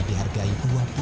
dihargai dua puluh tahun lagi